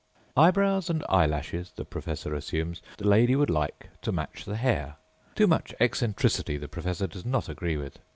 Eyebrows and eyelashes, the professor assumes, the lady would like to match the hair. Too much eccentricity the professor does not agree with.